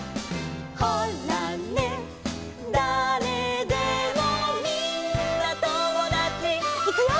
「ほらね誰でもみんなともだち」いくよ！